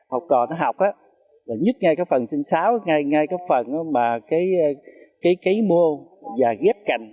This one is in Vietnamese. học trò nó học là nhất ngay cái phần sinh sáo ngay cái phần cái mô và ghép cành